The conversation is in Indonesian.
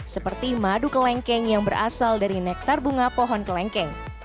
seperti madu kelengkeng yang berasal dari nektar bunga pohon kelengkeng